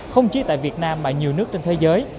không chỉ tại việt nam mà nhiều nước trên thế giới